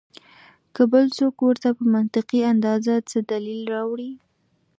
کۀ بل څوک ورته پۀ منطقي انداز څۀ دليل راوړي